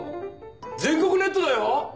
全国ネットだよ？